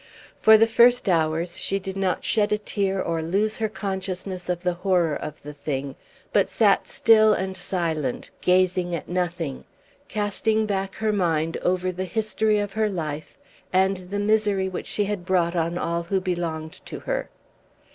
For the first hour she did not shed a tear or lose her consciousness of the horror of the thing; but sat still and silent, gazing at nothing, casting back her mind over the history of her life, and the misery which she had brought on all who belonged to her.